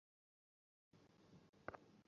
হাসপাতালে এসেছিল আমাকে দেখতে।